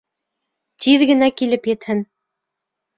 Тиҙ генә килеп етһен!